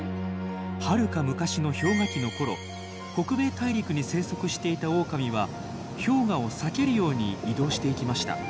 はるか昔の氷河期の頃北米大陸に生息していたオオカミは氷河を避けるように移動していきました。